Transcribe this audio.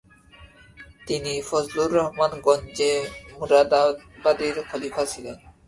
তিনি ফজলুর রাহমান গঞ্জে মুরাদাবাদির খলিফা ছিলেন।